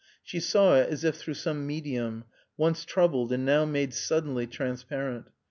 She saw it as if through some medium, once troubled and now made suddenly transparent.